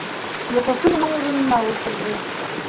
Йоҡосо уның урынына ултырҙы.